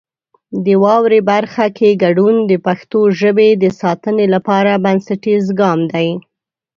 د واورئ برخه کې ګډون د پښتو ژبې د ساتنې لپاره بنسټیز ګام دی.